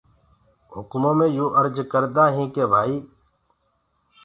هُڪمو مي يو ارج ڪردآ هينٚ تو ڀآئي ڪي۔